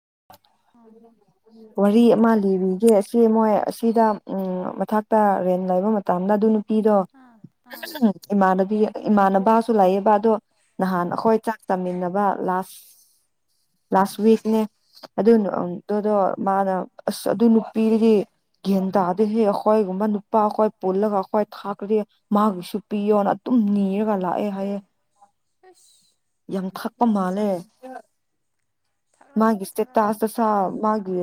[inaudible] ꯋꯥꯔꯤ ꯑꯃ ꯂꯤꯕꯤꯒꯦ ꯑꯁꯤ ꯃꯣꯏ ꯑꯁꯤꯗ ꯎꯝ ꯃꯊꯛꯇ ꯔꯦꯟ ꯂꯩꯕ ꯃꯇꯝꯗ ꯑꯗꯨ ꯅꯨꯄꯤꯗꯣ ꯑꯥ ꯐꯖꯅ ꯏꯃꯥꯅꯕꯤ ꯏꯃꯥꯅ ꯄꯥꯁꯨ ꯂꯩꯑꯦꯕ ꯑꯗꯣ ꯅꯍꯥꯟ ꯑꯥ ꯑꯩꯈꯣꯏ ꯆꯥꯛ ꯆꯥꯃꯤꯟꯅꯕ ꯂꯥꯁ ꯂꯥꯁ ꯑꯥ ꯋꯤꯛꯅꯦ ꯑꯗꯨ ꯑ ꯑꯣ ꯑꯗꯨꯗꯣ ꯃꯥꯅ ꯑꯁ ꯑꯗꯨ ꯅꯨꯄꯤꯗꯨꯒꯤ ꯒꯌꯥꯟ ꯇꯥꯗꯦ ꯍꯦ ꯑꯩꯈꯣꯏꯒꯨꯝꯕ ꯅꯨꯄꯥꯈꯣꯏ ꯄꯨꯜꯂꯒ ꯑꯩꯈꯣꯏ ꯊꯥꯛꯈ꯭ꯔꯗꯤ ꯃꯥꯒꯤꯁꯨ ꯄꯤꯌꯣꯅ ꯑꯗꯨꯝ ꯗꯨꯝ ꯅꯤꯔꯒ ꯂꯥꯛꯑꯦ ꯍꯥꯢꯌꯦ ꯑꯦ ꯑꯁ ꯌꯥꯝ ꯊꯛꯄ ꯌꯥꯕ ꯃꯥꯜꯂꯦ ꯖꯥꯠꯅꯤ ꯊꯛꯂꯝꯃꯅꯤ ꯃꯥꯒꯤ ꯊꯛꯂꯝꯅꯤ ꯁ꯭ꯇꯦꯇꯥꯁ ꯇꯥ ꯁꯥꯎ ꯃꯥꯒꯤ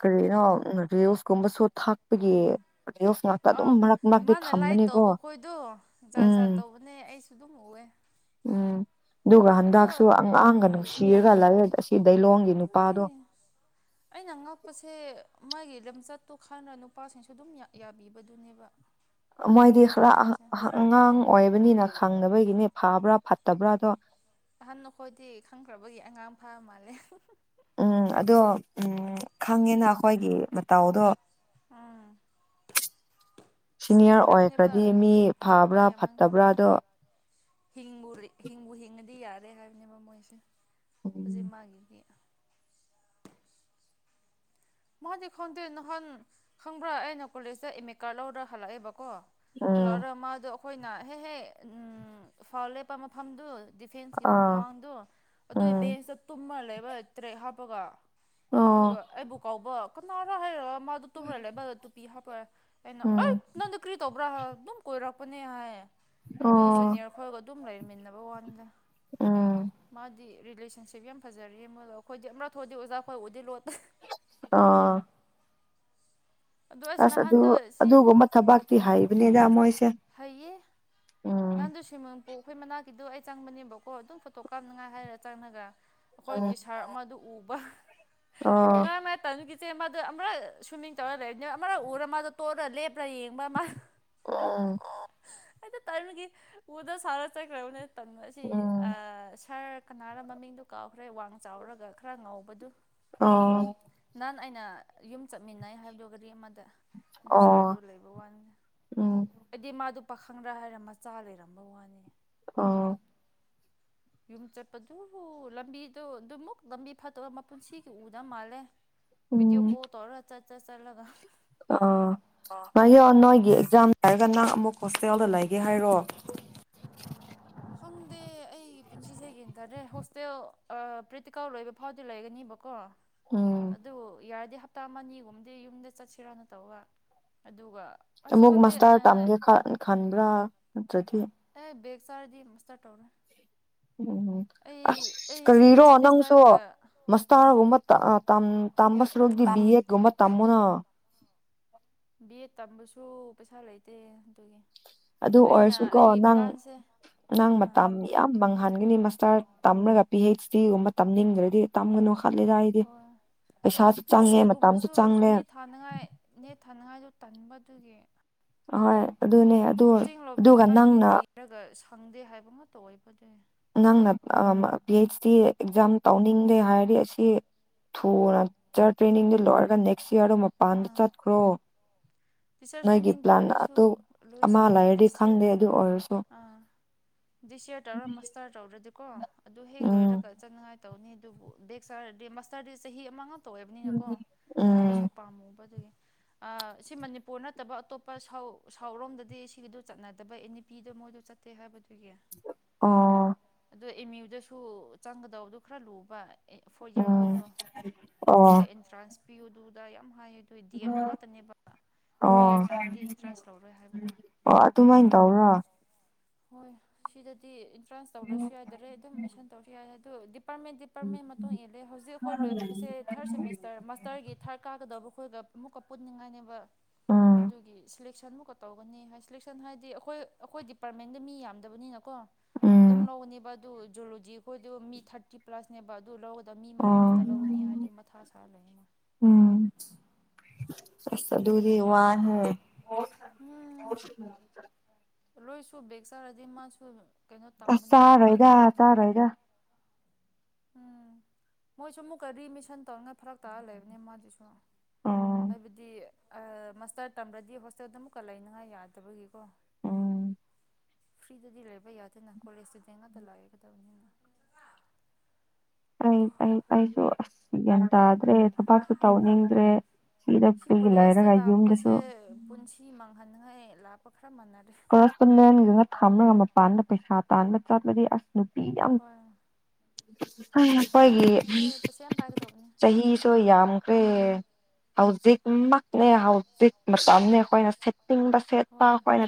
ꯀꯔꯤꯅꯣ ꯔꯤꯜꯁ ꯀꯨꯝꯕꯁꯨ ꯊꯥꯛꯄꯒꯤ ꯎꯝ ꯔꯤꯜꯁ ꯉꯥꯛꯇ ꯑꯗꯨꯝ ꯑꯥ ꯃꯔꯛ ꯃꯔꯛꯇꯤ ꯃꯥꯅ ꯂꯥꯏ ꯊꯝꯕꯅꯤꯀꯣ ꯎꯝ ꯑꯗꯨꯅꯦ ꯑꯩꯁꯨ ꯑꯗꯨꯝ ꯎꯑꯦ ꯎꯝ ꯑꯗꯨꯒ ꯑꯗꯣ ꯍꯟꯗꯛꯁꯨ ꯑꯉꯥꯡꯒ ꯑꯥ ꯅꯨꯡꯁꯤꯔꯒ ꯂꯩꯔꯦꯗ ꯁꯤ ꯗꯩꯂꯣꯡꯒꯤ ꯑꯗꯨꯅꯦ ꯅꯨꯄꯥꯗꯣ ꯑꯩꯅ ꯉꯛꯄꯁꯦ ꯃꯥꯒꯤ ꯂꯝꯆꯠꯇꯣ ꯈꯟꯔ ꯅꯨꯄꯥꯁꯤꯡꯁꯨ ꯑꯗꯨꯝ ꯌꯥꯕꯤꯕꯗꯨꯅꯦꯕ ꯃꯣꯏꯗꯤ ꯒ꯭ꯌꯥꯟ ꯈꯔ ꯇꯥꯗꯕꯁꯦ ꯑꯉꯥꯡ ꯑꯣꯏꯕꯅꯤꯅ ꯈꯪꯗꯕꯒꯤꯅꯦ ꯐꯥꯕ꯭ꯔꯥ ꯐꯠꯇꯕ꯭ꯔꯥꯗꯣ ꯑꯍꯟ ꯑꯩꯈꯣꯏꯗꯤ ꯈꯪꯈ꯭ꯔꯕꯒꯤ ꯑꯉꯥꯡ ꯐꯥ ꯃꯥꯜꯂꯦ ꯎꯝ ꯑꯗꯣ ꯎꯝ ꯈꯪꯉꯦꯅ ꯑꯩꯈꯣꯏꯒꯤ ꯃꯇꯧꯗꯣ ꯎꯝ ꯁꯤꯅꯤꯌꯔ ꯁꯤꯡꯈ꯭ꯔꯕꯅꯦꯕ ꯑꯣꯏꯈ꯭ꯔꯗꯤ ꯃꯤ ꯐꯕ꯭ꯔꯥ ꯐꯠꯇꯕ꯭ꯔꯥꯗꯣ ꯍꯤꯡꯕꯨꯔꯦ ꯍꯤꯡꯕꯨ ꯍꯤꯡꯉꯗꯤ ꯌꯥꯔꯦ ꯍꯥꯏꯕꯅꯦꯕ ꯃꯣꯏꯁꯦ ꯍꯧꯖꯤꯛ ꯎꯝ ꯃꯥꯒꯤꯗꯤ ꯃꯥꯥꯗꯤ ꯈꯪꯗꯦ ꯅꯍꯥꯟ ꯈꯪꯕ꯭ꯔꯥ ꯑꯩꯅ ꯀꯣꯂꯦꯖꯇ ꯑꯦꯃꯤꯠ ꯀꯥꯔꯠ ꯂꯧꯔ ꯍꯜꯂꯛꯑꯦꯕ ꯀꯣ ꯎꯝ ꯍꯜꯂꯛꯔ ꯃꯥꯗꯣ ꯑꯩꯈꯣꯏꯅ ꯍꯦꯛ ꯍꯦꯛ ꯎꯝ ꯐꯥꯜ ꯂꯦꯞꯄ ꯃꯐꯝꯗꯨ ꯗꯤꯐꯦꯟꯁꯀꯤ ꯑꯥ ꯃꯃꯥꯡꯗꯨ ꯑꯗꯨꯏ ꯎꯝ ꯕꯦꯟꯁꯇ ꯇꯨꯝꯃꯒ ꯂꯩꯕ ꯇ꯭ꯔꯦꯛ ꯍꯥꯞꯄꯒ ꯑꯣ ꯑꯗꯨꯒ ꯑꯩꯕꯨ ꯀꯧꯕ ꯀꯅꯥꯔ ꯍꯥꯏꯔꯒ ꯃꯥꯗꯨ ꯇꯨꯝꯔꯒ ꯂꯩꯕꯗ ꯇꯨꯄꯤ ꯍꯥꯞꯄ ꯑꯩꯅ ꯑꯩ ꯎꯝ ꯅꯪꯗꯤ ꯀꯔꯤ ꯇꯧꯕ꯭ꯔꯥ ꯍꯥꯢꯔꯒ ꯑꯗꯨꯝ ꯀꯣꯏꯔꯛꯄꯅꯦ ꯍꯥꯏꯌꯦ ꯑꯗꯨ ꯑꯣ ꯖꯨꯅꯤꯌꯔ ꯈꯣꯏꯒ ꯑꯗꯨꯝ ꯂꯩꯃꯤꯟꯅꯕ ꯋꯥꯅꯦꯗ ꯎꯝ ꯃꯥꯗꯤ ꯔꯤꯂꯦꯁꯟꯁꯤꯞ ꯌꯥꯝ ꯐꯖꯔꯦꯍꯦ ꯃꯣꯏꯒ ꯑꯩꯈꯣꯏꯗꯤ ꯑꯃꯔꯛ ꯊꯣꯛꯑꯗꯤ ꯑꯣꯖꯥ ꯈꯣꯏ ꯎꯗꯤ ꯂꯣꯠꯄ- ꯑꯥ ꯑꯗꯣ ꯑꯁ ꯑꯗꯨ ꯅꯍꯥꯟꯗꯣ ꯁꯤ ꯑꯗꯨꯒꯨꯝꯕ ꯊꯕꯥꯛꯇꯤ ꯍꯩꯕꯅꯦꯗ ꯃꯣꯏꯁꯦ ꯍꯩꯌꯦ ꯎꯝ ꯅꯪꯗꯨ ꯁꯤꯎꯃꯤꯡꯄꯨ ꯑꯩꯈꯣꯏ ꯃꯅꯥꯛꯀꯤꯗꯨ ꯑꯩ ꯆꯪꯕꯅꯦꯕꯀꯣ ꯑꯗꯨꯝ ꯐꯣꯇꯣ ꯀꯥꯞꯅꯉꯥꯏ ꯍꯥꯏꯔ ꯆꯪꯉꯒ ꯎꯝ ꯑꯈꯣꯏꯒꯤ ꯁꯥꯔ ꯑꯃꯗꯨ ꯎꯕ ꯑꯣ ꯉꯥꯅꯊꯟꯅꯒꯤ ꯁꯦ ꯃꯥꯗꯣ ꯑꯃꯔꯛ ꯁ꯭ꯋꯤꯝꯃꯤꯡ ꯇꯧꯔꯒ ꯂꯩꯕꯅꯦꯕ ꯑꯃꯛ ꯎꯔꯥ ꯃꯥꯗꯣ ꯇꯣꯛꯔ ꯂꯦꯞ ꯂꯥ ꯌꯦꯡꯕ ꯃꯥ ꯍꯥ ꯎꯝ ꯑꯣ ꯑꯩꯗꯣ ꯇꯟꯕꯒꯤ ꯎꯗ ꯁꯥꯔꯒ ꯆꯠꯈ꯭ꯔꯕꯅꯦ ꯊꯟꯔꯁꯤ ꯑ ꯎꯝ ꯁꯥꯔ ꯀꯅꯥꯅ ꯃꯃꯤꯡꯗꯨ ꯀꯥꯎ ꯅꯣꯏ ꯋꯥꯡ ꯆꯥꯎꯔꯒ ꯈꯔ ꯉꯧꯕꯗꯨ ꯑꯣ ꯅꯥꯟ ꯑꯩꯅ ꯌꯨꯝ ꯆꯠꯃꯤꯟꯅꯩ ꯍꯥꯏꯕꯗꯨ ꯒꯔꯤ ꯑꯃ ꯗ ꯑꯗꯨ ꯑꯣ ꯁꯥꯔꯗꯨ ꯂꯩꯕ ꯋꯥꯅꯤ ꯎꯝ ꯃꯥꯗꯨ ꯄꯥꯈꯪꯔ ꯍꯥꯏꯔ ꯃꯆꯥ ꯂꯩꯔꯝꯕ ꯋꯥꯅꯦ ꯑꯣ ꯌꯨꯝ ꯆꯠꯄꯗꯨ ꯂꯝꯕꯤꯗꯨ ꯑꯗꯨꯃꯨꯛ ꯂꯝꯕꯤ ꯐꯠꯇꯕꯒ ꯃꯄꯨꯟꯁꯤꯒꯤ ꯎꯗꯕ ꯃꯥꯜꯂꯦ ꯕꯤꯗꯤꯌꯣ ꯎꯝ ꯀꯣꯜ ꯇꯧꯔꯒ ꯆꯠ ꯆꯠ ꯆꯠꯂꯒ [unintelligible] ꯍꯣꯁꯇꯦꯜꯗ ꯂꯩꯒꯦ ꯍꯥꯏꯔꯣ ꯈꯪꯗꯦ ꯑꯩꯒꯤ ꯄꯨꯟꯁꯤꯁꯦ ꯒꯤꯌꯥꯟꯇꯥꯗ꯭ꯔꯦ ꯍꯣꯁꯇꯦꯜ ꯑ ꯄ꯭ꯔꯤꯇꯤꯀꯥꯜ ꯂꯣꯏꯕ ꯐꯥꯎꯗꯤ ꯂꯩꯒꯅꯤꯕꯀꯣ ꯎꯝ ꯑꯗꯨ ꯌꯥꯔꯗꯤ ꯍꯞ ꯍꯞꯇꯥ ꯑꯃꯅꯤꯒꯨꯝꯕꯗꯤ ꯌꯨꯝꯗ ꯆꯠꯁꯤꯔꯥꯅ ꯇꯧꯕ ꯑꯗꯨꯒ ꯑꯁ ꯑꯃꯨꯛ ꯈꯪꯗꯦ ꯃꯥꯁꯇꯔ ꯇꯝꯒꯦ ꯈꯟ ꯈꯟꯕ꯭ꯔꯥ ꯅꯠꯇ꯭ꯔꯗꯤ ꯑꯦ ꯕꯦꯛ ꯆꯥꯔꯗꯤ ꯃꯁꯇ ꯇꯧꯔꯣꯏ ꯎꯝ ꯑꯁ ꯁꯚꯦꯟ ꯀꯔꯤꯔꯣ ꯅꯪꯁꯨ ꯁꯦꯃꯤꯁꯇꯔꯒ ꯃꯁꯇꯥꯔꯒꯨꯝꯕ ꯑ ꯇꯝ ꯇꯝꯕ ꯁꯨꯔꯨꯛꯗꯤ ꯕꯤ ꯑꯦꯠꯒꯨꯝꯕ ꯇꯝꯃꯣꯅ ꯕꯤ ꯑꯦꯠ ꯇꯝꯕꯁꯨ ꯄꯩꯁꯥ ꯂꯩꯇꯦ ꯑꯗꯨꯒꯤ ꯑꯗꯨ ꯑꯩꯅ ꯑꯣꯏꯔꯁꯨꯀꯣ ꯑꯩꯒꯤ ꯅꯪ ꯄ꯭ꯂꯥꯟꯁꯦ ꯅꯪ ꯑꯥ ꯃꯇꯝ ꯌꯥꯝ ꯃꯥꯡꯍꯟꯒꯅꯤ ꯃꯥꯁ ꯇꯝꯔꯒ ꯄꯤ ꯍꯩꯆ ꯗꯤꯒꯨꯝꯕ ꯇꯝꯅꯤꯡꯗ꯭ꯔꯗꯤ ꯇꯝꯒꯅꯨ ꯇꯜꯂꯤꯗ ꯑꯩꯗꯤ ꯍꯣꯏ ꯄꯩꯁꯥꯁꯨ ꯄꯤ ꯑꯩꯆ ꯆꯪꯉꯦ ꯃꯇꯝꯁꯨ ꯗꯤꯒꯨꯝꯕꯁꯨ ꯆꯪꯉꯦ ꯇꯟꯕꯗꯨꯒꯤ ꯑꯍꯣꯏ ꯑꯗꯨꯅꯦ ꯑꯗꯨ ꯑꯗꯨꯒ ꯅꯪꯅ ꯐꯪꯗꯦ ꯍꯥꯏꯕ ꯉꯛꯇ ꯑꯣꯏꯕꯗꯦ ꯅꯪꯅ ꯑꯝ ꯄꯤ ꯍꯩꯆ ꯗꯤ ꯑꯦꯛꯖꯥꯝ ꯇꯧꯅꯤꯡꯗꯦ ꯍꯥꯏꯔꯗꯤ ꯑꯁꯤ ꯊꯨꯅ ꯆꯠ ꯇ꯭ꯔꯦꯅꯤꯡꯗꯨ ꯂꯣꯏꯔꯒ ꯅꯦꯛꯁ ꯌꯥꯔꯗꯨ ꯃꯄꯥꯟꯗ ꯑꯥ ꯆꯠꯈ꯭ꯔꯣ ꯇꯤꯆꯔꯁ ꯅꯣꯏꯒꯤ ꯇ꯭ꯔꯦꯟꯅꯤꯡꯗꯨ ꯄ꯭ꯂꯥꯟ ꯑꯩꯁꯨ ꯑꯗꯨ ꯑꯃ ꯂꯨꯏꯁꯀ ꯂꯩꯔꯗꯤ ꯗꯤꯁ ꯌꯔ ꯈꯪꯗꯦ ꯑꯗꯨ ꯑꯣꯏꯔꯁꯨ ꯑꯥ ꯗꯤꯁ ꯌꯔ ꯇꯧꯔ ꯃꯁꯇꯥꯔ ꯇꯧꯗ꯭ꯔꯗꯤꯀꯣ ꯑꯗꯨ ꯍꯦꯛ ꯎꯝ ꯂꯣꯏꯔꯒ ꯆꯪꯅꯉꯥꯏ ꯇꯧꯅꯤ ꯑꯗꯨꯕꯨ ꯕꯦꯛ ꯆꯥꯔꯗꯤ ꯃꯥꯁꯇꯔꯗꯤ ꯆꯍꯤ ꯑꯃꯉꯛ ꯎꯝ ꯎꯝ ꯄꯥꯝꯃꯨꯕ ꯑꯗꯨꯒꯤ ꯑ ꯁꯤ ꯃꯅꯤꯄꯨꯔ ꯅꯠꯇꯕ ꯑꯇꯣꯞꯄ ꯁꯥꯎ ꯁꯥꯎꯠꯔꯣꯝꯗꯗꯤ ꯁꯤꯒꯤꯗꯨ ꯆꯠꯅ ꯗꯕ ꯑꯦꯅꯤ ꯄꯤꯗꯨ ꯃꯣꯏꯗꯨ ꯆꯠꯇꯦ ꯍꯥꯏꯕꯗꯨꯒꯤ ꯑꯣ ꯑꯗꯣ ꯑꯦꯝ ꯌꯨꯗꯁꯨ ꯆꯪꯒꯗꯕꯗꯨ ꯈꯔ ꯂꯨꯕ ꯐꯣꯔ ꯏꯌꯥꯔ ꯈꯣꯏꯗꯣ ꯎꯝ ꯑꯣ ꯑꯃꯨꯛꯀ ꯑꯦꯟꯇ꯭ꯔꯥꯟꯁ ꯄꯤꯌꯨ ꯗꯨꯗ ꯌꯥꯝ ꯍꯥꯏ ꯑꯗꯨ ꯗꯤ ꯑꯦꯝ ꯗ ꯉꯥꯛꯇꯅꯦꯕ ꯐꯣꯔ ꯑꯣ ꯏꯌꯥꯔ ꯇꯝꯕꯗꯤ ꯑꯦꯟꯇ꯭ꯔꯥꯟꯁ ꯂꯧꯔꯣꯏ ꯍꯥꯏꯕꯗꯣ ꯑꯣ ꯑꯗꯨꯃꯥꯏ ꯇꯧꯕ꯭ꯔꯣ ꯍꯣꯏ ꯁꯤꯗꯗꯤ ꯑꯦꯟꯇ꯭ꯔꯥꯟꯁ ꯇꯧꯗ꯭ꯔꯁꯨ ꯌꯥꯏ ꯑꯗꯨꯝ ꯗꯥꯏꯔꯦꯛ ꯃꯤꯁꯟ ꯇꯧꯔꯁꯨ ꯌꯥꯏ ꯑꯗꯣ ꯗꯤꯞ ꯗꯤꯄꯥꯔꯠꯃꯦꯟꯠ ꯗꯤꯄꯥꯔꯠꯃꯦꯟꯠ ꯃꯇꯨꯡ ꯏꯜꯂꯦ ꯍꯧꯖꯤꯛ ꯑꯩꯈꯣꯏ ꯂꯣꯏꯕꯁꯦ ꯊꯥꯔꯠ ꯁꯦꯃꯤꯁꯇꯔ ꯃꯥꯁꯇꯔꯒꯤ ꯗꯔ ꯀꯥꯒꯗꯕ ꯈꯣꯏꯒ ꯑꯃꯨꯛꯀ ꯄꯨꯟꯅꯤꯡꯉꯥꯏꯅꯦꯕ ꯎꯝ ꯑꯗꯨꯒꯤ ꯁꯤꯂꯦꯛꯁꯟꯃꯨꯛꯀ ꯇꯧꯒꯅꯤ ꯍꯥꯏ ꯁꯦꯂꯦꯛꯁꯟ ꯍꯥꯏꯗꯤ ꯑꯈꯣꯏ ꯑꯈꯣꯏ ꯗꯤꯄꯥꯔꯠꯃꯦꯟꯗꯤ ꯃꯤ ꯌꯥꯝꯗꯕꯅꯤꯅꯀꯣ ꯑꯗꯨꯝ ꯎꯝ ꯂꯧꯅꯦꯕ ꯑꯗꯨ ꯖꯨꯂꯣꯖꯤ ꯈꯣꯏꯗꯣ ꯃꯤ ꯊꯥꯔꯇꯤ ꯄ꯭ꯂꯁꯅꯦꯕ ꯑꯗꯨ ꯂꯧ ꯃꯤ ꯃꯉꯥ ꯑꯣ ꯈꯛꯇ ꯂꯧꯒꯅꯤ ꯍꯥꯏꯗ ꯃꯊꯥ ꯁꯥꯔ ꯂꯩꯌꯦꯃꯣꯏ ꯎꯝ ꯑꯁ ꯑꯗꯨꯗꯤ ꯋꯥꯅꯤꯍꯦ [inaudible] ꯂꯣꯏꯁꯨ ꯕꯦꯛ ꯆꯥꯔꯗꯤ ꯃꯥꯁꯨ ꯀꯩꯅꯣ ꯑꯁ ꯇꯝꯒꯅꯤ ꯍꯥꯏ ꯆꯥꯑꯣꯏꯗ ꯆꯥꯔꯣꯏꯗ ꯎꯝ ꯃꯣꯏꯁꯨ ꯑꯃꯨꯛꯀ ꯔꯤꯃꯤꯁꯟ ꯇꯧꯔꯒ ꯐꯔꯛ ꯇꯥꯔꯒ ꯂꯩꯕꯅꯤ ꯃꯗꯨꯁꯨ ꯎꯝ ꯍꯥꯏꯕꯗꯤ ꯃꯥꯁꯇ꯭ꯔ ꯇꯝꯔꯗꯤ ꯍꯣꯁꯇꯦꯜꯗ ꯑꯃꯨꯛꯀ ꯂꯩꯅꯉꯥꯏ ꯌꯥꯗꯕꯒꯤꯀꯣ ꯎꯝ ꯐ꯭ꯔꯤꯗꯗꯤ ꯂꯩꯕ ꯌꯥꯗꯦꯅ ꯀꯣꯂꯦꯖꯇꯗꯤ ꯉꯥꯛꯇ ꯂꯩꯒꯗꯕꯅꯤꯅ ꯑꯩ ꯑꯩ ꯑꯩꯁꯨ ꯑꯁ ꯒ꯭ꯌꯥꯟ ꯇꯥꯗ꯭ꯔꯦ ꯊꯕꯛꯁꯨ ꯇꯧꯅꯤꯡꯗ꯭ꯔꯦ ꯁꯤꯗ ꯁꯤ ꯐ꯭ꯔꯤ ꯀꯣꯂꯦꯖꯇ ꯂꯩꯔꯒ ꯌꯨꯝꯗꯁꯨ ꯂꯥꯛꯄꯁꯦ ꯄꯨꯟꯁꯤ ꯃꯥꯡꯍꯟꯉꯥꯏ ꯂꯥꯛꯄ ꯈꯔ ꯃꯥꯟꯅꯔꯦ ꯀꯣꯔꯁꯄꯣꯟꯗꯦꯟꯒꯨꯝꯕ ꯊꯝꯂꯒ ꯃꯄꯥꯟꯗ ꯄꯩꯁꯥ ꯇꯥꯟꯕ ꯆꯠꯂꯗꯤ ꯑꯁ ꯅꯨꯄꯤ ꯌꯥꯝ ꯍꯣꯏ ꯍꯩ ꯑꯈꯣꯏꯒꯤ ꯑꯦ ꯄꯩꯁꯥ ꯌꯥꯝ ꯄꯥꯏꯒꯗꯧꯕꯅꯦ ꯆꯍꯤꯁꯨ ꯌꯥꯝꯈ꯭ꯔꯦ ꯍꯧꯖꯤꯛꯃꯛꯅꯦ ꯍꯧꯖꯤꯛ ꯃꯇꯝꯅꯦ ꯑꯈꯣꯏꯅ ꯁꯦꯠꯅꯤꯡꯕ ꯁꯦꯠꯄ ꯍꯣꯏ ꯑꯈꯣꯏꯅ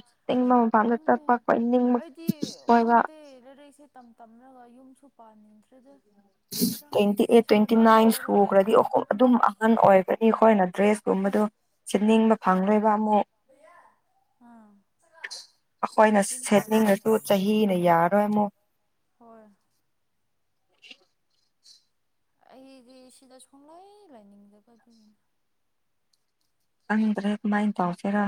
ꯑꯗꯨꯅꯦ ꯑꯩꯗꯤ ꯀꯣꯏꯕ ꯈꯪꯗꯦ ꯂꯥꯏꯔꯤꯛꯁꯦ ꯇꯝ ꯇꯝ ꯑꯗꯨꯒ ꯌꯨꯝꯁꯨ ꯄꯥꯟꯅꯤꯡꯗ꯭ꯔꯦꯗ ꯇ꯭ꯋꯦꯟꯇꯤ ꯑꯩꯠ ꯇ꯭ꯋꯦꯟꯇꯤ ꯅꯥꯏꯟ ꯁꯨꯈ꯭ꯔꯗꯤ ꯂꯩꯅꯤꯡꯉꯦ ꯑꯈꯣ ꯑꯗꯨꯝ ꯑꯍꯟ ꯑꯣꯏꯒꯅꯤ ꯑꯩꯈꯣꯏꯅ ꯗ꯭ꯔꯦꯁ ꯀꯨꯝꯕꯗꯨ ꯁꯤꯠꯅꯤꯡꯕ ꯍꯣꯏ ꯐꯪꯂꯣꯏꯕ ꯑꯃꯨꯛ ꯑꯥ ꯑꯈꯣꯏꯅ ꯒ꯭ꯌꯥꯟ ꯇꯥꯗ꯭ꯔꯦ ꯁꯦꯠꯅꯤꯡꯉꯁꯨ ꯆꯍꯤꯅ ꯌꯥꯔꯣꯏ ꯑꯃꯨꯛ ꯍꯣꯏ [inaudible] ꯑꯩꯗꯤ ꯁꯤꯗ ꯁꯨꯡꯂꯩ ꯂꯩꯥꯅꯤꯡꯗꯕ ꯑꯗꯨꯒꯤꯅ ꯈꯪꯗ꯭ꯔꯦ ꯀꯃꯥꯥꯏ ꯊꯧꯁꯤꯔ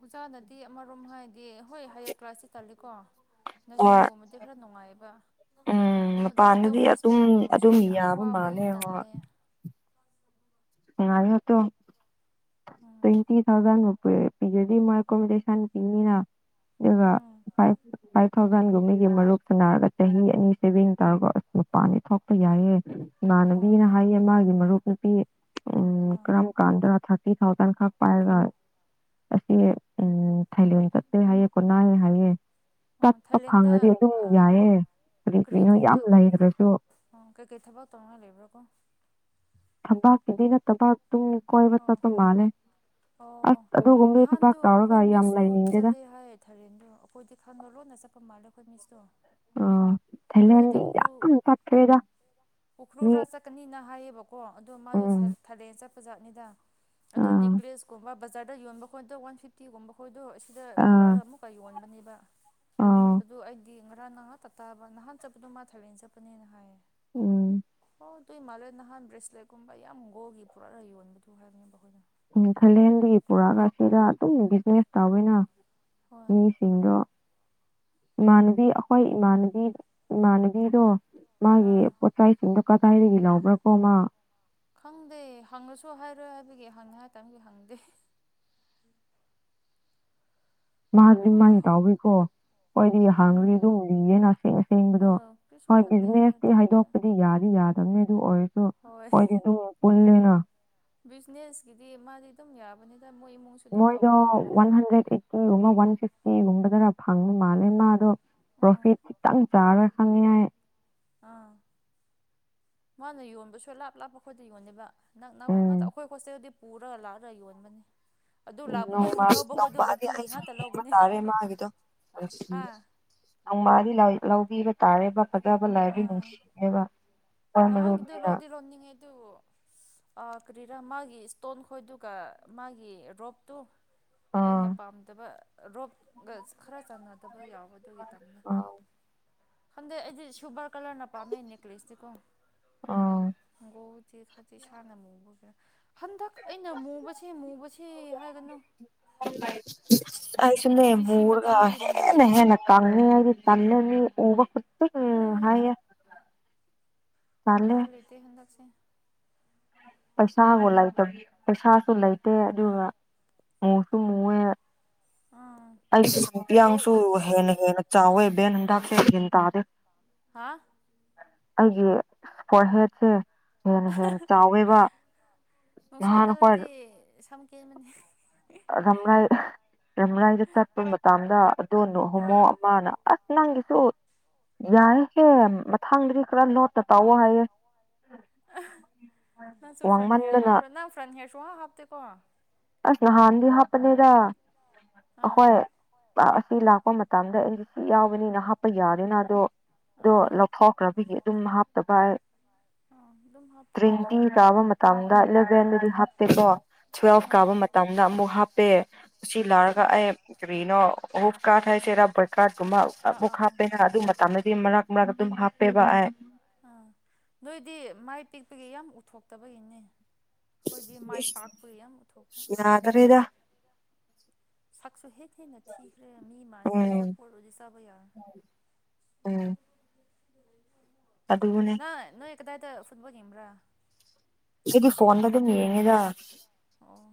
ꯑꯣꯖꯥꯅꯗꯤ ꯑꯃꯔꯣꯝ ꯍꯥꯏꯗꯤ ꯍꯣꯏ ꯍꯥꯏꯌꯔ ꯀ꯭ꯂꯥꯁꯇꯤ ꯇꯜꯂꯤꯀꯣ ꯍꯣꯏ ꯅꯔꯁ꯭ꯔꯤꯒꯨꯝꯕꯗꯤ ꯈꯔ ꯅꯨꯡꯉꯥꯏꯑꯕ ꯎꯝ ꯃꯄꯥꯟꯗꯗꯤ ꯑꯗꯨꯝ ꯑꯗꯨꯝ ꯌꯥꯕ ꯋꯥꯕꯅꯤ ꯃꯥꯜꯂꯦ ꯍꯣ ꯇꯜꯂꯦ [unintelligible] ꯎꯝ ꯇ꯭ꯋꯦꯟꯇꯤ ꯊꯥꯎꯖꯟ ꯃꯨꯛ ꯑꯝ ꯑꯗꯨꯗꯩ ꯃꯥꯥꯏ ꯀꯣꯃꯗ ꯁꯥꯟ ꯄꯤꯅꯤꯅ ꯑꯗꯨꯒ ꯎꯝ ꯐꯥꯏꯚ ꯐꯥꯏꯚ ꯊꯥꯎꯖꯟꯒꯨꯝꯒꯤ ꯃꯔꯨꯞ ꯁꯥꯟꯅꯔꯒ ꯆꯍꯤ ꯑꯅꯤ ꯁꯦꯚꯤꯡ ꯇꯥꯔꯒꯣ ꯑꯁ ꯃꯄꯥꯟꯗꯤ ꯊꯣꯛꯄ ꯌꯥ ꯌꯥꯏꯑꯦ ꯍꯣꯏ ꯏꯃꯥꯟꯅꯕꯤꯅ ꯍꯥꯏꯌꯦ ꯃꯥꯒꯤ ꯃꯔꯨꯞ ꯅꯨꯄꯤ ꯎ ꯑꯥ ꯀꯔꯝ ꯀꯥꯟꯗ ꯊꯥꯎꯖꯟ ꯈꯛ ꯄꯥꯏꯒ ꯑꯁꯤ ꯎꯝ ꯊꯥꯏꯂꯦꯟ ꯆꯠꯁꯦ ꯍꯥꯏꯌꯦ ꯀꯣꯅꯥꯏꯌꯦ ꯍꯥꯏꯌꯦ ꯑꯥ ꯆꯠꯄ ꯊꯥꯏꯂꯦꯟꯗ ꯐꯪꯉꯗꯤ ꯑꯗꯨꯝ ꯑꯥ ꯌꯥꯏꯌꯦ ꯀꯔꯤ ꯀꯔꯤꯅꯣ ꯌꯥꯝ ꯊꯕꯛ ꯂꯩꯈ꯭ꯔꯁꯨ ꯀꯩꯀꯩ ꯊꯕꯛ ꯇꯧꯅꯉꯥꯏ ꯂꯩꯕ꯭ꯔꯥ ꯀꯣ ꯊꯕꯛꯀꯤꯗꯤ ꯅꯠꯇꯕ ꯇꯨꯝ ꯀꯣꯏꯕ ꯑꯣ ꯆꯠꯄ ꯃꯥꯜꯂꯦ ꯑꯣ ꯑꯣ ꯑꯁ ꯑꯗꯨꯒꯨꯝꯕꯒꯤ ꯊꯕꯛ ꯅꯍꯥꯟꯗꯨ ꯇꯧꯔꯒ ꯑꯈꯣꯏ ꯌꯥꯝ ꯃꯤꯁꯨ ꯂꯩꯅꯤꯡꯗꯦꯗ ꯆꯠꯂꯦ ꯍꯥꯏ ꯊꯥꯏꯂꯦꯟꯗꯣ ꯑꯈꯣꯏꯗꯤ ꯈꯪꯉ ꯂꯣꯟꯅ ꯆꯠ ꯆꯠꯄ ꯃꯥꯜꯂꯦ ꯑꯈꯣꯏ ꯃꯤꯁꯨ ꯑꯣ ꯊꯥꯏꯂꯦꯟ ꯌꯥꯝ ꯆꯠꯈ꯭ꯔꯦꯗ ꯃꯤ ꯎꯈ꯭ꯔꯨꯨꯜꯔꯥ ꯆꯠꯀꯅꯤꯅ ꯍꯥꯏꯌꯦꯕꯀꯣ ꯑꯗꯣ ꯃꯥꯗꯣ ꯎꯝ ꯊꯔꯦꯟ ꯆꯠ ꯄꯖꯥꯠꯅꯤꯗ ꯑꯗꯣ ꯑꯥ ꯅꯦꯛꯂꯦꯁꯀꯨꯝꯕ ꯕꯖꯥꯔꯗ ꯌꯣꯟꯕ ꯈꯣꯏꯗꯣ ꯋꯥꯟ ꯐꯤꯐꯇꯤꯒꯨꯝꯕ ꯈ ꯗꯣ ꯑꯁꯤꯗ ꯑꯥ ꯄꯨꯔꯛꯑꯒ ꯑꯃꯨꯛꯀ ꯌꯣꯟꯕꯅꯦꯕ ꯑ ꯑꯗꯨ ꯑꯩꯗꯤ ꯉꯔꯥꯡ ꯉꯍꯥꯛꯇ ꯇꯥꯕ ꯅꯍꯥꯟ ꯆꯠꯄꯗꯣ ꯃꯥ ꯊꯥꯏꯂꯦꯟ ꯆꯠꯄꯅꯦꯅ ꯍꯥꯏꯌꯦ ꯎꯝ [unintelligible] ꯅꯍꯥꯟ ꯕ꯭ꯔꯂꯁꯂꯦꯠ ꯀꯨꯝꯕ ꯒꯣꯜꯒꯤ ꯄꯣꯔꯛꯑ ꯌꯣꯟꯕꯅꯦ ꯎꯝ ꯊꯥꯏꯂꯦꯟꯗꯒꯤ ꯄꯨꯔꯥꯒ ꯁꯤꯗ ꯑꯗꯨꯝ ꯕꯤꯖꯤꯅꯦꯁ ꯇꯧꯋꯦꯅ ꯍꯣꯏ ꯃꯤꯁꯤꯡꯗꯣ ꯏꯃꯥꯟꯅꯕꯤ ꯑꯈꯣꯏ ꯏꯃꯥꯟꯅꯕꯤ ꯏꯃꯥꯟꯅꯕꯤꯗꯣ ꯃꯥꯒꯤ ꯑꯥ ꯄꯣꯠꯆꯩꯁꯤꯡꯗꯣ ꯀꯗꯥꯏꯗꯒꯤ ꯂꯧꯕ꯭ꯔ ꯀꯣ ꯃꯥ ꯈꯪꯗꯦ ꯍꯪꯉꯁꯨ ꯍꯥꯏꯔꯣꯏ ꯍꯥꯏꯕꯒꯤ ꯍꯪ ꯍꯥꯏꯇꯥꯔꯒꯤ ꯍꯪꯗꯦ ꯃꯥꯗꯤ ꯃꯥꯏ ꯇꯥꯎꯋꯤꯀꯣ ꯍꯣꯏꯗꯤ ꯍꯥꯡꯒꯅꯤ ꯎꯝ ꯑꯗꯨꯝ ꯂꯤꯌꯦꯅ ꯑꯁꯦꯡ ꯑꯁꯦꯡꯕꯗꯣ ꯍꯣꯏ ꯀꯔꯤꯁꯨ ꯍꯣꯏ ꯈꯟꯗꯦ ꯍꯥꯏꯔ ꯕꯤꯖꯤꯅꯦꯁꯇꯤ ꯇꯧꯅꯤꯗ ꯍꯥꯏꯗꯣꯛꯄꯗꯤ ꯌꯥꯗꯤ ꯌꯥꯗꯝꯅꯦ ꯑꯗꯨ ꯑꯣꯏꯔꯁꯨ ꯍꯣꯏ ꯈꯣꯏꯗꯤ ꯗꯨꯒꯃꯨꯛ ꯄꯨꯟꯂꯦꯅ ꯐꯤꯅꯦꯁꯀꯤꯗꯤ ꯃꯥꯗꯤ ꯑꯗꯨꯝ ꯌꯥꯕꯅꯦ ꯃꯣꯏꯗꯣ ꯋꯥꯟ ꯍꯟꯗ꯭ꯔꯦꯠ ꯑꯩꯠꯇꯤꯒꯨꯝꯕ ꯋꯥꯟ ꯐꯤꯐꯇꯤꯒꯨꯝꯕꯗꯔ ꯐꯪꯕ ꯃꯥꯜꯂꯦ ꯃꯥꯗꯣ ꯎꯝ ꯄ꯭ꯣꯔꯐꯤꯠ ꯈꯤꯇꯪ ꯆꯥꯔ ꯈꯪꯉꯦ ꯍꯥꯏ ꯑꯥ ꯃꯥꯅ ꯌꯣꯟꯕꯁꯨ ꯂꯥꯞ ꯂꯥꯞꯄ ꯈꯣꯏꯗ ꯌꯣꯟꯗꯦꯕ ꯅꯛ ꯅꯛꯄ ꯎꯝ ꯉꯥꯛꯇ ꯑꯩꯈꯣꯏ ꯍꯣꯁꯇꯦꯜꯗꯤ ꯄꯨꯔꯒ ꯂꯥꯛꯂꯒ ꯌꯣꯟꯕꯅꯤ ꯑꯗꯨ ꯎ ꯂꯥꯛꯄꯗꯨ ꯅꯣꯡꯃ ꯂꯧꯕ ꯈꯣꯏꯗꯣ ꯅꯣꯡꯃꯗꯤ ꯕꯀꯤꯒꯤ ꯑꯩꯁꯨ ꯉꯥꯛꯇ ꯌꯦꯡꯕ ꯂꯧꯕꯅꯦ ꯇꯥꯔꯦ ꯃꯥꯒꯤꯗꯣ ꯍꯥ ꯑꯣꯏꯁꯤꯌ ꯅꯣꯡꯃꯗꯤ ꯂꯥꯔꯤꯛ ꯂꯧꯕꯤꯕ ꯇꯥꯔꯦꯕ ꯐꯖꯕ ꯂꯩꯕꯗꯤ ꯑꯥ ꯅꯨꯡꯁꯤꯌꯦꯕ ꯅꯍꯥꯟꯒꯤꯗꯨ [unintelligible] ꯂꯧꯗꯤ ꯂꯧꯅꯤꯡꯉꯦ ꯑꯗꯨ ꯑꯥ ꯀꯔꯤꯔꯥ ꯃꯥꯒꯤ ꯏꯁꯇꯣꯟ ꯈꯣꯏꯗꯨꯒ ꯃꯥꯒꯤ ꯔꯣꯞꯇꯣ ꯑꯥ ꯑꯩꯅ ꯄꯥꯝꯗꯕ ꯔꯣꯞꯒꯁ ꯈꯔ ꯆꯥꯅꯗꯕ ꯌꯥꯎꯕ ꯑꯗꯨꯒꯤ ꯇꯟꯂꯦ ꯑꯥ ꯈꯪꯗꯦ ꯑꯩꯗꯤ ꯁꯨꯕ꯭ꯔꯞ ꯀꯂꯔꯅ ꯄꯥꯝꯃꯦ ꯅꯦꯛꯀ꯭ꯂꯦꯁꯇꯤꯀꯣ ꯑꯥ ꯍꯪꯒꯣ ꯈꯇꯤ ꯈꯇꯤ ꯏꯁꯥꯅ ꯃꯨꯕꯒ ꯍꯟꯗꯛ ꯑꯩꯅ ꯃꯨꯕꯁꯦ ꯃꯨꯕꯁꯦ ꯍꯥꯏꯒꯅꯨ ꯑꯩꯁꯨꯅꯦ ꯑꯦꯟ ꯁꯤ ꯁꯤ ꯃꯨꯔꯒ ꯃꯇꯝꯗꯒꯤꯅ ꯍꯦꯟꯅꯦ ꯍꯦꯜꯂꯦ ꯍꯦꯟꯅ ꯀꯪꯉꯤ ꯇꯟꯂꯦ ꯃꯤ ꯎꯕ ꯈꯛꯇꯗ ꯍꯥꯢꯌꯦ ꯎꯄꯥꯏ ꯂꯩꯇꯦ ꯍꯟꯗꯛꯁꯦ ꯄꯩꯁꯥꯕꯨ ꯂꯩꯇ ꯄꯩꯁꯥꯁꯨ ꯂꯩꯇꯦ ꯑꯗꯨꯒ ꯃꯨꯁꯨ ꯃꯨꯋꯦ ꯑꯥ ꯑꯩꯁ ꯕ꯭ꯔꯣꯛ ꯏꯌꯥꯁꯨ ꯑꯣꯏꯕꯁꯤ ꯍꯦꯟꯅ ꯍꯦꯟꯅ ꯆꯥꯎꯋꯦ ꯕꯦꯟ ꯍꯟꯗ [unintelligible] ꯍꯥ ꯑꯩꯒꯤ ꯐꯣꯔꯍꯦꯠꯁꯦ ꯍꯦꯟꯅ ꯍꯦꯟꯅ ꯆꯥꯎꯋꯦꯕ ꯅꯨꯡꯁꯥ ꯅꯍꯥꯟ ꯀꯜꯂꯗꯤ ꯁꯝ ꯀꯦꯟꯕꯅꯦ ꯑ ꯔꯝꯔꯥꯏ ꯔꯝꯔꯥꯏꯗ ꯆꯠꯄ ꯃꯇꯝꯗ ꯑꯗꯣꯅꯣ ꯍꯣꯃꯣ ꯑꯥ ꯑꯃꯅ ꯑꯁ ꯅꯪꯒꯤꯁꯨ ꯌꯥꯏꯍꯦ ꯃꯊꯥꯡꯗꯗꯤ ꯈꯔ ꯅꯣꯠꯀ ꯇꯧꯑꯣ ꯍꯥꯏꯌꯣ ꯅꯪꯁꯨ ꯐ꯭ꯔꯟ ꯍꯦꯌ꯭ꯔ ꯋꯥꯡꯃꯟꯗꯅ ꯍꯥꯞꯄ꯭ꯔꯥ ꯅꯪ ꯐ꯭ꯔꯟ ꯍꯦꯌ꯭ꯥꯔ ꯁꯨꯍꯥꯞ ꯍꯥꯞꯇꯦꯀꯣ ꯑꯁ ꯅꯍꯥꯟꯗꯤ ꯍꯥꯞꯄꯅꯦꯗ ꯑꯥ ꯄꯥ ꯑꯁꯤ ꯂꯥꯛꯄ ꯃꯇꯝꯗ ꯑꯩꯗꯤ ꯁꯤ ꯌꯥꯎꯕꯅꯤꯅ ꯍꯥꯞꯄ ꯌꯥꯗꯦꯅ ꯑꯗꯣ ꯗꯣ ꯑꯥ ꯂꯧꯊꯣꯛꯈ꯭ꯔꯕꯒꯤ ꯑꯗꯨꯝ ꯍꯥꯞꯇꯕ ꯑꯥ ꯑꯗꯨꯝ ꯑꯩ ꯍꯥꯞꯄꯣ ꯑꯥ [unintelligible] ꯑꯥ ꯀꯥꯕ ꯃꯇꯝꯗ ꯑꯃꯨꯛ ꯍꯥꯞꯄꯦ ꯑꯁꯤ ꯂꯥꯔꯒ ꯑꯩ ꯀꯔꯤꯅꯣ ꯍꯣꯞ ꯀꯥꯔ ꯍꯥꯏꯁꯦꯔꯥ ꯄꯔ ꯀꯥꯔꯠꯀꯨꯝꯕ ꯑꯥ ꯑꯃꯨꯛ ꯑꯥ ꯑꯥ ꯍꯥꯞꯄꯦꯅ ꯑꯗꯨ ꯃꯇꯝꯗꯗꯤ ꯃꯔꯛ ꯃꯔꯛ ꯑꯗꯨꯝ ꯍꯥꯞꯄꯦꯕ ꯑꯥꯏ ꯑꯥ ꯅꯣꯏꯗꯤ ꯃꯥꯏ ꯄꯤꯛꯄꯒꯤ ꯌꯥꯝ ꯎꯠꯊꯣꯛꯇꯕꯒꯤꯅꯦ ꯈꯣꯏꯗꯤ ꯃꯥꯏ ꯄꯥꯛꯄꯒꯤ ꯌꯥꯝ ꯎꯠꯊꯣꯛꯄ ꯌꯥꯗ꯭ꯔꯦꯗ ꯁꯛꯁꯨ ꯍꯦꯛ ꯍꯦꯟꯅ ꯊꯤꯈ꯭ꯔꯦ ꯃꯤ ꯃꯥꯟꯗ꯭ꯔꯦ ꯎꯝ ꯆꯥꯄꯣꯠ ꯑꯣꯏꯗꯤ ꯆꯥꯕ ꯌꯥꯔ ꯎꯝ ꯑꯗꯨꯅꯦ ꯅꯪ ꯅꯣꯏ ꯀꯗꯥꯏꯗ ꯐꯨꯠꯕꯣꯜ ꯌꯦꯡꯕ꯭ꯔꯥ ꯑꯩꯗꯤ ꯐꯣꯟꯗ ꯑꯗꯨꯝ ꯌꯦꯡꯉꯦꯗ ꯑꯣ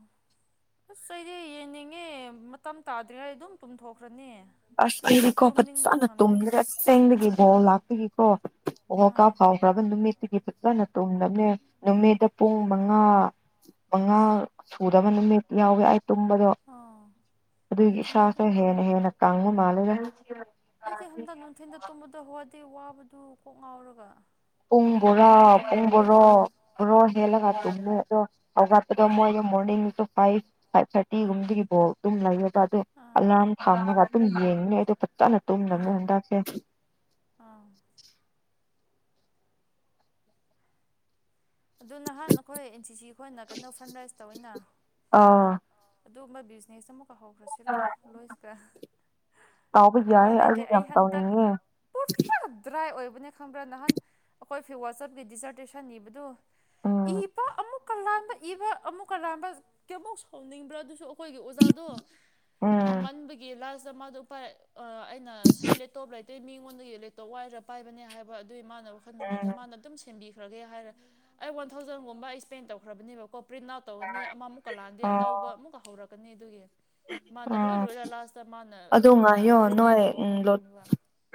ꯑꯁ ꯑꯩꯗꯤ ꯌꯦꯡꯅꯤꯡꯉꯦ ꯃꯇꯝ ꯇꯥꯗ꯭ꯔꯤꯉꯩ ꯑꯗꯨꯝ ꯇꯨꯝꯊꯣꯛꯈ꯭ꯔꯅꯤ ꯑꯁ ꯑꯩꯗꯤꯀꯣ ꯇꯨꯝꯅꯤꯡꯕꯗꯣ ꯐꯖꯅ ꯉꯝꯗꯦ ꯇꯨꯝꯗ꯭ꯔꯦ ꯑꯁꯦꯡꯗꯒꯤ ꯕꯣꯜ ꯂꯥꯛꯄꯒꯤꯀꯣ ꯋꯥꯔꯜ ꯑꯥ ꯀꯞ ꯍꯧꯈ꯭ꯔꯕ ꯅꯨꯃꯠꯇꯒꯤ ꯐꯖꯅ ꯇꯨꯝꯗꯕꯅꯦ ꯅꯨꯃꯤꯠꯇ ꯄꯨꯡ ꯃꯉꯥ ꯃꯉꯥ ꯁꯨꯗꯕ ꯅꯨꯃꯤꯠ ꯌꯥꯎꯋꯦ ꯑꯩ ꯇꯨꯝꯕꯗꯣ ꯑꯥ ꯑꯗꯨꯒꯤ ꯅꯨꯡꯊꯤꯟꯗ ꯏꯁꯥꯁꯦ ꯑꯗꯨꯝ ꯇꯨꯝꯃꯣ ꯍꯦꯟꯅ ꯍꯦꯟꯅ ꯃꯥꯜꯂꯦꯕ ꯑꯩꯗꯤ ꯍꯟꯗꯛ ꯅꯨꯡꯊꯤꯟꯗ ꯇꯨꯝꯕꯗꯣ ꯋꯥꯗꯤ ꯋꯥꯕꯗꯨ ꯀꯣꯛ ꯉꯥꯎꯔꯒ ꯄꯨꯡ ꯕꯣꯔꯥ ꯑꯍꯤꯡ ꯇꯨꯝꯕ ꯄꯨꯡ ꯐꯥꯎ ꯀꯣꯛ ꯕꯣꯔꯣ ꯉꯥꯎꯋꯦ ꯕꯣꯔꯣ ꯍꯦꯜꯂꯒ ꯇꯨꯝꯃꯦ ꯑꯗꯣ ꯍꯧꯒꯠꯄꯗꯣ ꯑꯥ ꯃꯣꯏꯗꯣ ꯃꯣꯔꯅꯤꯡ ꯗꯁꯨ ꯐꯥꯏ ꯑꯩꯠ ꯊꯥꯔꯇꯤꯒꯨꯝꯗꯒꯤ ꯕꯣꯜ ꯑꯗꯨꯝ ꯂꯩꯌꯦꯕ ꯑꯗꯣ ꯑꯥ ꯑꯂꯥꯔꯝ ꯊꯝꯔꯒ ꯑꯗꯨꯝ ꯌꯦꯡꯕꯅꯦ ꯑꯩꯗꯣ ꯐꯖꯅ ꯇꯨꯝꯗꯕꯅꯦ ꯑꯥ ꯍꯟꯗꯛꯁꯦ ꯑꯥ ꯑꯗꯨ ꯅꯍꯥꯟ ꯑꯩꯈꯣꯏ ꯑꯦꯟ ꯁꯤꯁꯤ ꯈꯣꯏꯅ ꯀꯩꯅꯣ ꯐ꯭ꯔꯟ ꯔꯥꯏꯁ ꯇꯧꯋꯤꯅ ꯑꯥ ꯑꯗꯨꯒꯨꯝꯕ ꯕꯤꯖꯤꯅꯦꯁ ꯑꯃꯨꯛꯀ ꯍꯧꯈ꯭ꯔꯁꯤꯔꯣ ꯂꯣꯏꯁꯀ ꯇꯥꯎꯕꯩ ꯌꯥꯏꯌꯦ ꯑꯩꯁꯩ ꯌꯥꯝ ꯇꯧꯅꯤꯡꯉꯦ ꯗꯨꯅꯦ ꯈꯪꯕ꯭ꯔꯥ ꯅꯍꯥꯟ ꯑꯩꯈꯣꯏ ꯐꯤ ꯋꯥꯆꯞꯀꯤ ꯗꯤꯖꯔꯇꯦꯁꯟ ꯅꯤꯕꯗꯨ ꯏ ꯎꯝ ꯏꯕ ꯑꯃꯨꯛꯀ ꯂꯥꯟꯕ ꯏꯕ ꯑꯃꯨꯛꯀ ꯂꯥꯟꯕ ꯀꯌꯥꯃꯨꯛ ꯁꯥꯎꯅꯤꯡꯕ꯭ꯔꯥ ꯑꯗꯨꯁꯨ ꯑꯩꯈꯣꯏꯒꯤ ꯑꯣ ꯖꯥꯗꯣ ꯎꯝ ꯐꯃꯟꯕꯒꯤ ꯂꯥꯁ ꯗ ꯃꯥꯗꯨ ꯑꯩꯅ ꯁꯔ ꯂꯦꯞꯇꯣꯞ ꯂꯩꯇꯦ ꯃꯤꯉꯣꯟꯗꯒꯤ ꯂꯦꯞꯇꯣꯞ ꯋꯥꯏꯔ ꯄꯥꯏꯕꯅꯦ ꯍꯥꯏꯕ ꯑꯗꯨꯏ ꯃꯥꯥꯟꯅꯕ ꯋꯥꯈꯜ ꯎꯝ ꯅꯨꯡꯉꯥꯏꯇꯕ ꯃꯥꯅ ꯑꯗꯨꯝ ꯁꯦꯝꯕꯤꯈ꯭ꯔꯒꯦ ꯍꯥꯏꯔꯦ ꯑꯩ ꯋꯥꯟ ꯊꯥꯎꯖꯟꯒꯨꯝꯕ ꯑꯩ ꯏꯁ꯭ꯄꯦꯟ ꯇꯧꯈ꯭ꯔꯕꯅꯦꯕꯀꯣ ꯄ꯭ꯔꯤꯟꯠ ꯑꯥꯎꯠ ꯇꯧꯒꯅꯤ ꯑꯃꯃꯨꯛꯀ ꯂꯥꯟꯗꯤ ꯑꯣ ꯑꯅꯧꯕ ꯑꯃꯨꯛꯀ ꯍꯧꯔꯛꯀꯅꯤ ꯑꯗꯨꯒꯤ ꯃꯥꯅ ꯂꯣꯏ ꯎꯝ ꯂꯣꯏꯔ ꯂꯥꯁꯇ ꯃꯥꯅ ꯑꯗꯣ ꯑꯃꯨꯛꯀ ꯉꯥꯏꯌꯣ ꯄ꯭ꯔꯤꯟꯠ ꯑꯥꯎꯠ ꯅꯣꯏ ꯇꯧ ꯎꯝ ꯍꯥꯏ ꯂꯣꯠ ꯇꯧꯅꯤꯕ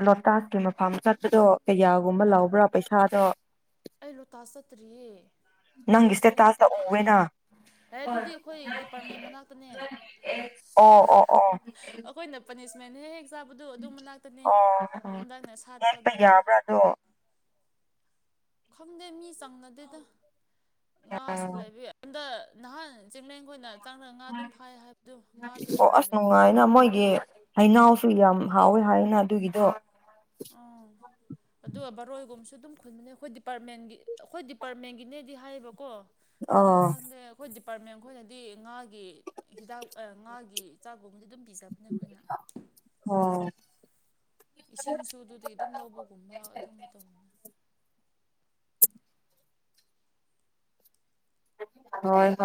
ꯂꯣꯇꯥꯁꯀꯤ ꯃꯐꯝ ꯆꯠꯄꯗꯣ ꯀꯌꯥꯒꯨꯝꯕ ꯑꯥ ꯂꯧꯕ꯭ꯔꯥ ꯄꯩꯁꯥꯗꯣ ꯑꯩ ꯂꯣꯛꯇꯥꯛ ꯆꯠꯇ꯭ꯔꯤꯌꯦ ꯅꯪꯒꯤ ꯂꯣꯏꯁ ꯈꯣꯏꯅ ꯁꯇꯦꯇꯥꯁ ꯇ ꯆꯠꯄ ꯎꯋꯦꯅ ꯑꯦ ꯑꯗꯨꯗꯤ ꯑꯩꯈꯣꯏ ꯗꯤꯄꯥꯔꯠꯃꯦꯟ ꯃꯅꯥꯛꯇꯅꯦ ꯑꯣ ꯑꯣ ꯑꯣ ꯑꯩꯈꯣꯏꯅ [unintelligible] ꯃꯅꯥꯛꯇꯅꯦ ꯑꯣ ꯍꯟꯗꯛꯅ ꯁꯥꯠꯄ ꯌꯦꯠꯄ ꯑꯗꯨꯒꯤꯅꯤ ꯌꯥꯕ꯭ꯔꯥ ꯑꯗꯣ ꯈꯪꯗꯦ ꯃꯤ ꯆꯪꯅꯗꯦꯗ ꯎꯝ ꯉꯥꯁꯨ ꯂꯩꯕꯩ ꯍꯟꯗꯛ ꯅꯍꯥꯟ ꯆꯤꯡꯂꯦꯟꯈꯣꯏꯅ ꯆꯥꯡꯔꯒ ꯉꯥ ꯑꯗꯨꯝ ꯐꯥꯏ ꯍꯥꯏꯕꯗꯣ ꯉꯥꯗꯤ ꯌꯥꯝ ꯑꯣ ꯑꯁ ꯂꯩꯕꯅꯤ ꯅꯨꯡꯉꯥꯏꯅ ꯃꯣꯏꯒꯤ ꯍꯩꯅꯧꯁꯨ ꯌꯥꯝ ꯍꯥꯎꯋꯦ ꯍꯥꯏꯋꯦꯅ ꯑꯗꯨꯒꯤꯗꯣ ꯑꯗꯣ ꯕꯥꯔꯣꯏꯒꯨꯝꯁꯨ ꯑꯗꯨꯝ ꯈꯨꯟꯕꯅꯦ ꯑꯩꯈꯣꯏ ꯗꯤꯄꯥꯔꯠꯃꯦꯟꯒꯤ ꯑꯩꯈꯣꯏ ꯗꯤꯄꯥꯔꯠꯃꯦꯟꯒꯤꯅꯦꯗꯤ ꯍꯥꯏꯌꯦꯕꯀꯣ ꯑꯗꯨ ꯑꯣ ꯈꯪꯗꯦ ꯑꯩꯈꯣꯏ ꯗꯤꯄꯥꯔꯠꯃꯦꯟ ꯈꯣꯏꯅꯗꯤ ꯉꯥꯒꯤ ꯍꯤꯗꯥꯛ ꯉꯥꯒꯤ ꯆꯥꯛ ꯕꯗꯤ ꯑꯗꯨꯝ ꯄꯤꯖꯕꯅꯦ ꯑꯩꯈꯣꯏꯅ ꯍꯣ ꯏꯁꯤꯡꯁꯨ ꯑꯗꯨꯗꯩ ꯑꯗꯨꯝ ꯂꯧꯕꯒꯨꯝꯕ ꯑꯗꯨꯝꯕ ꯇꯧꯕꯅꯦ ꯍꯣꯏ ꯍꯣꯏ